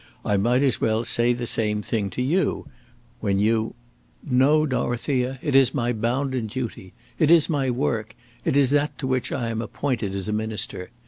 I might as well say the same to you, when you " "No, Dorothea; it is my bounden duty. It is my work. It is that to which I am appointed as a minister.